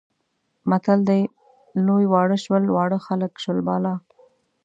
متل دی لوی واړه شول، واړه خلک شول بالا.